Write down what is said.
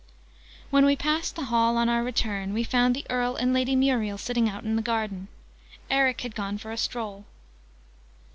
When we passed the Hall on our return, we found the Earl and Lady Muriel sitting out in the garden. Eric had gone for a stroll.